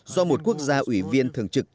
do một quốc gia ủy viên thường trực